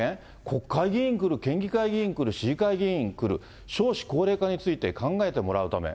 国会議員来る、県議会議員来る、市議会議員来る、少子高齢化について考えてもらうため。